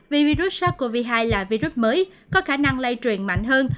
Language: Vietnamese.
vì virus sars cov hai là virus mới có khả năng lây truyền mạnh hơn